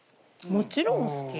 もちろん好き。